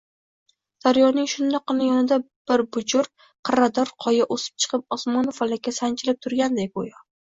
Daryoning shundoqqina yonida bir bujur, qirrador qoya oʻsib chiqib, osmonu falakka sanchilib turganday goʻyo